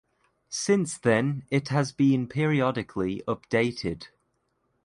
Since then it has been periodically updated.